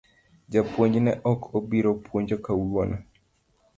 Japuonj ne ok obiro puonjo kawuono